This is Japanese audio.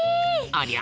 ありゃ。